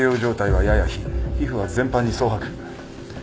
皮膚は全般に蒼白。